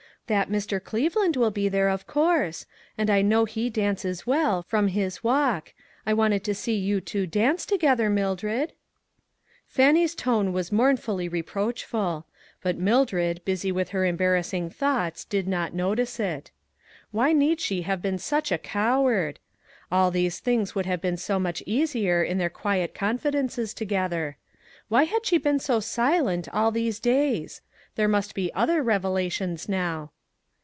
That Mr. Cleveland will be there, of course; and I know he dances well, from his walk. I wanted to see you two dance together, Mildred." Fannie's tone was mournfully reproach ful ; but Mildred, busy with her embarrass ing thoughts, did not notice it. Why need she have been such a coward ? All these things would have been so much easier in their quiet confidences together. Winy had she been so silent all these days ? There must be other revelations now.